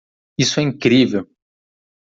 Isso é incrível!